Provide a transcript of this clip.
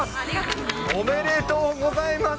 おめでとうございます。